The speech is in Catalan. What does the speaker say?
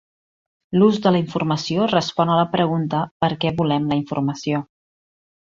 L’ús de la informació respon a la pregunta per què volem la informació.